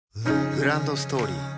グランドストーリー